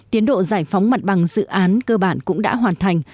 tiến độ giải phóng mặt bằng dự án cơ bản cũng đã hoàn thành